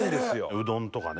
「うどんとかね」